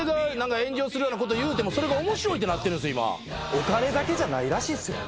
お金だけじゃないらしいっすよ。